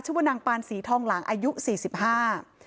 ชื่อว่านางปานสีทองหลังอายุสี่สิบห้า